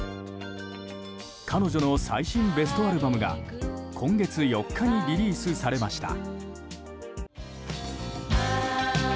彼女の最新ベストアルバムが今月４日にリリースされました。